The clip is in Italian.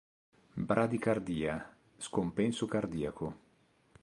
Bradicardia, scompenso cardiaco.